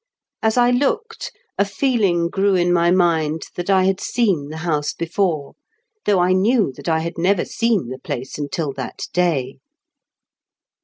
As I looked, a feeling grew in my mind that I had seen the house before, tiu9Qg& I knew that I had never seen the place until that day.